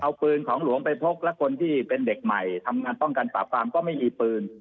เอาปืนของหลวงไปพกและคนที่เป็นเด็กใหม่ทำงานป้องกันปราบปรามก็ไม่มีปืน